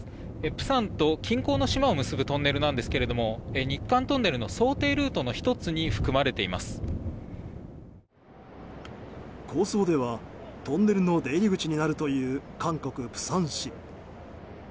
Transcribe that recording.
釜山と近郊の島を結ぶトンネルなんですが日韓トンネルの想定ルートの１つに構想では、トンネルの出入り口になるという韓国・釜山市。